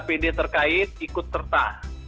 seluruh skpd terkait ikut serta